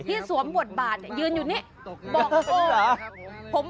ที่สวมบทบาทนะยืนอยู่นี่บอกโอลี่เหมือนถึงผม